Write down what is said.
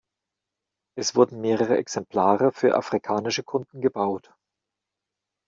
Es wurden mehrere Exemplare für afrikanische Kunden gebaut.